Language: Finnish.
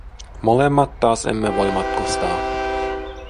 Molemmat taas emme voi matkustaa.